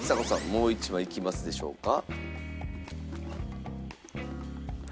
もう１枚いきますでしょうか？